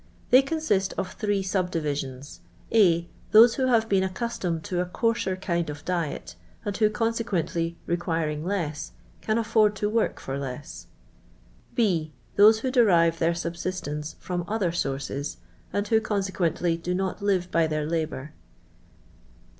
They consist of three sub dirisions :— ((f.) Those who have Ix^cn accustomed to a coarser kind of diet, and who, consequently, requiring less, can afford to work for less. </>.) Those who derive their subsistence from other sources, and who, consequently, do I not livr by their labour.